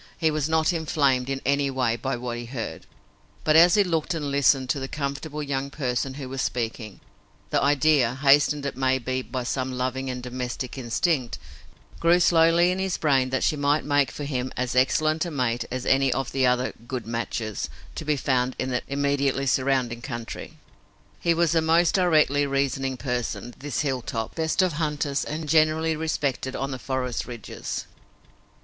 He was not inflamed in any way by what he heard, but as he looked and listened to the comfortable young person who was speaking, the idea, hastened it may be by some loving and domestic instinct, grew slowly in his brain that she might make for him as excellent a mate as any other of the "good matches" to be found in the immediately surrounding country. He was a most directly reasoning person, this Hilltop, best of hunters and generally respected on the forest ridges.